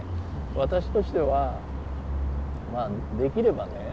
私としてはできればね